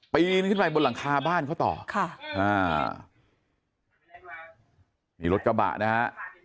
ไปขึ้นมาบนหลังคาบ้านเขาต่อมีรถกระบะนะฮะ